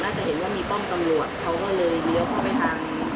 เขาก็เลยเดี๋ยวเข้าไปทางช่องวิทวันซึ่งเข้ากันในตลาดมากค่ะ